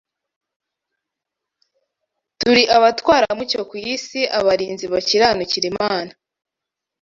turi abatwaramucyo ku isi, abarinzi bakiranukira Imana,